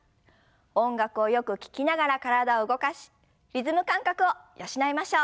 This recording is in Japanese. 音楽をよく聞きながら体を動かしリズム感覚を養いましょう。